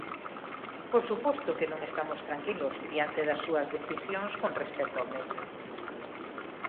Por suposto que non estamos tranquilos diante das súas decisións con respecto ao medio.